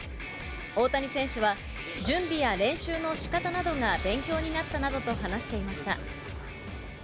大谷選手は、準備や練習のしかたなどが勉強になったなどと話していました。